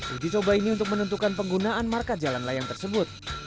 uji coba ini untuk menentukan penggunaan market jalan layang tersebut